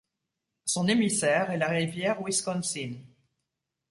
Son émissaire est la rivière Wisconsin.